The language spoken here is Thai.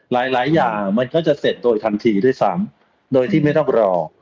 หลายหลายอย่างมันก็จะเสร็จโดยทันทีด้วยซ้ำโดยที่ไม่ต้องรอ